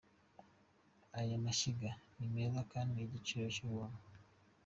Aya mashyiga ni meza kandi igiciro ni nk'ubuntu,.